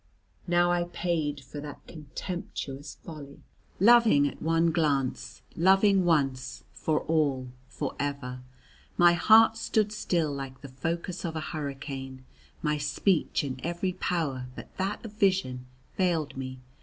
Now I paid for that contemptuous folly. Loving at one glance, loving once, for all, for ever, my heart stood still like the focus of a hurricane; my speech and every power but that of vision failed me.